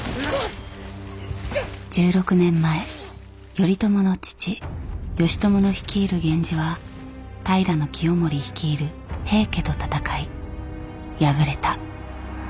１６年前頼朝の父義朝の率いる源氏は平清盛率いる平家と戦い敗れた。